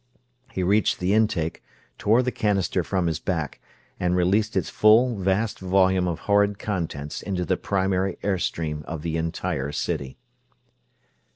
He reached the intake, tore the canister from his back, and released its full, vast volume of horrid contents into the primary air stream of the entire city.